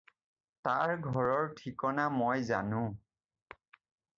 তাৰ ঘৰৰ ঠিকনা মই জানো।